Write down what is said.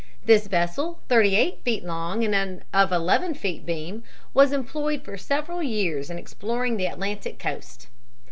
This vessel, thirty eight feet long and of eleven feet beam, was employed for several years in exploring the Atlantic coast.